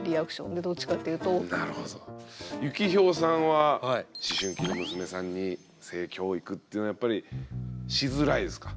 ユキヒョウさんは思春期の娘さんに性教育っていうのはやっぱりしづらいですか？